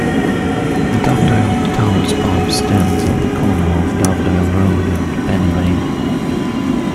The Dovedale Towers pub stands on the corner of Dovedale Road and Penny Lane.